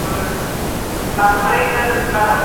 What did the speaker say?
کتاب کي راغلي چي قاتل به وژل کېږي.